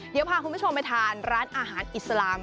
เดี๋ยวพาคุณผู้ชมไปทานร้านอาหารอิสลาม